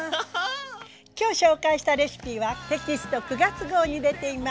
今日紹介したレシピはテキスト９月号に出ています。